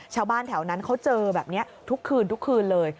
ชาวบ้านแถวนั้นเขาเจอแบบนี้ทุกคืนทุกคืนเลย